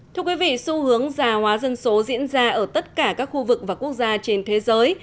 thưa quý vị xu hướng già hóa dân số diễn ra ở tất cả các khu vực và quốc gia trên thế giới